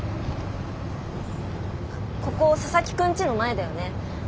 ここ佐々木くんちの前だよね。